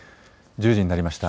１０時になりました。